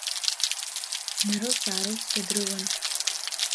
Днарылс-аарылсуа дрылан.